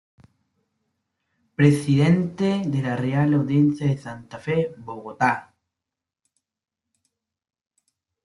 Presidente de la Real Audiencia de Santa Fe de Bogotá.